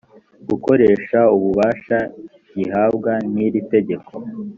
gukoresha ububasha gihabwa n iri tegeko